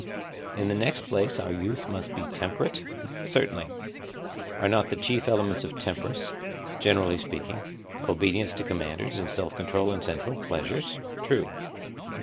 In the next place our youth must be temperate? Certainly. Are not the chief elements of temperance, speaking generally, obedience to commanders and self control in sensual pleasures? True.